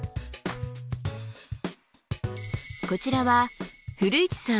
こちらは古市さん